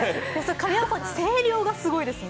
神山さん声量がすごいですね。